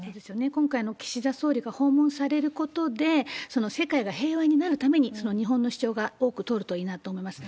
今回の岸田総理が訪問されることで、世界が平和になるために、その日本の主張が多く通るといいなと思います。